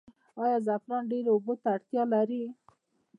آیا زعفران ډیرې اوبو ته اړتیا لري؟